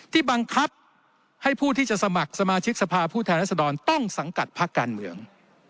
บังคับให้ผู้ที่จะสมัครสมาชิกสภาพผู้แทนรัศดรต้องสังกัดพักการเมือง